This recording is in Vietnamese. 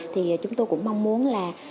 thì chúng tôi cũng mong muốn là